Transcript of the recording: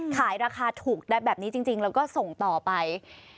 ขายราคาถูกแบบนี้จริงแล้วก็ส่งต่อไป